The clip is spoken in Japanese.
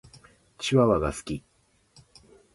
チワワが好き。